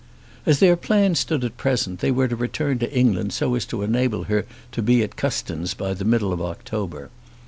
As their plans stood at present, they were to return to England so as to enable her to be at Custins by the middle of October.